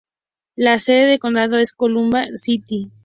La sede de condado es Columbia City.